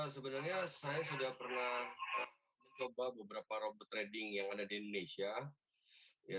sebenarnya saya sudah pernah mencoba beberapa robot trading yang ada di indonesia